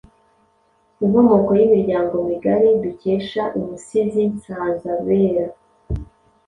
Inkomoko y’imiryango migari’’ dukesha Umusizi Nsanzabera